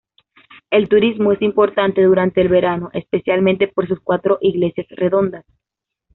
El turismo es importante durante el verano, especialmente por sus cuatro iglesias redondas.